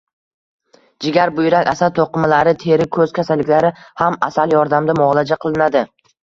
Jigar, buyrak, asab to‘qimalari, teri, ko‘z kasalliklari ham asal yordamida muolaja qilinadi.